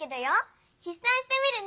ひっ算してみるね。